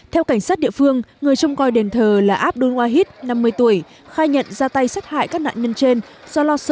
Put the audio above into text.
theo cảnh sát địa phương người trông coi đền thờ là abdul wahid năm mươi tuổi khai nhận ra tay sát hại các nạn nhân trên do lo sợ họ đến đền để giết hai y